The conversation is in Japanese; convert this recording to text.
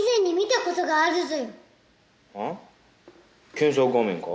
検索画面か？